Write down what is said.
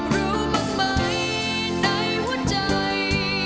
รู้บ้างไหมในหัวใจ